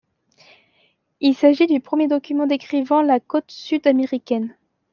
Il s'agit du premier document décrivant la côte sud-américaine.